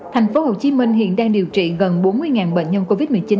tp hcm hiện đang điều trị gần bốn mươi bệnh nhân covid một mươi chín